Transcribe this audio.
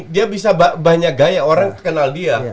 dia bisa banyak gaya orang kenal dia